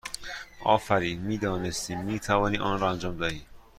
آفرین! می دانستیم می توانی آن را انجام دهی!